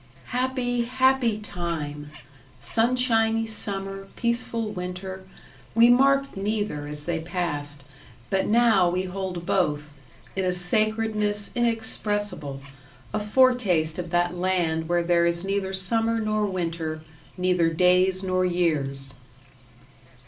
Happy, happy time sunshiny summer, peaceful winter we marked neither as they passed; but now we hold both in a sacredness inexpressible a foretaste of that Land where there is neither summer nor winter, neither days nor years.